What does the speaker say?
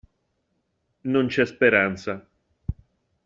Non c'è speranza.